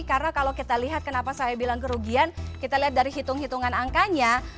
karena kalau kita lihat kenapa saya bilang kerugian kita lihat dari hitung hitungan angkanya